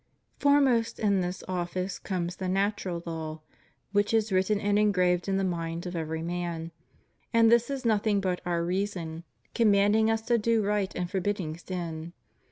Foremost in this office comes the natural law, which is written and engraved in the mind of every man; and this is nothing but our reason, commanding us to do right and forbidding sin.